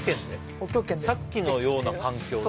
北極圏でさっきのような環境で？